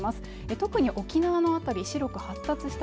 特に沖縄の辺り白く発達した